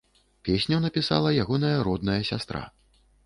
Песню напісала ягоная родная сястра.